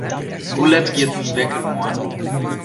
Hoe let giet myn wekker moarn?